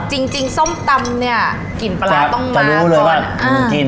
จริงส้มตำเนี่ยกลิ่นปลาร้าต้องมาก่อน